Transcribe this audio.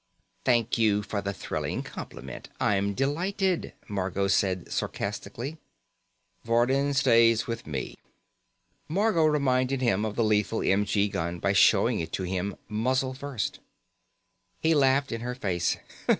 "Thank you for the thrilling compliment. I'm delighted," Margot said sarcastically. "Vardin stays with me." Margot reminded him of the lethal m.g. gun by showing it to him, muzzle first. He laughed in her face.